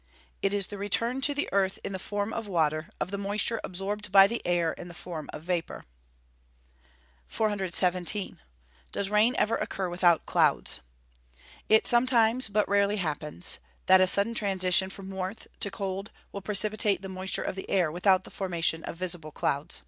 It is the return to the earth in the form of water, of the moisture absorbed by the air in the form of vapour. 417. Does rain ever occur without clouds? It sometimes, but rarely happens, that a sudden transition from warmth to cold will precipitate the moisture of the air, without the formation of visible clouds.